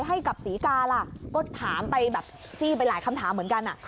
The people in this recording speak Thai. ให้กับศรีกาล่ะก็ถามไปแบบจี้ไปหลายคำถามเหมือนกัน